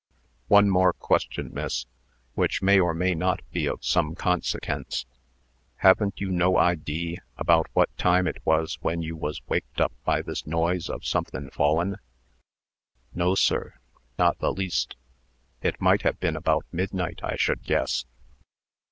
"One more question, miss, which may or may not be of some consekence. Haven't you no idee about what time it was when you was waked up by this noise of somethin' fallin'?" "No, sir; not the least. It might have been about midnight, I should guess."